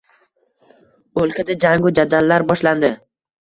Oʻlkada jangu jadallar boshlandi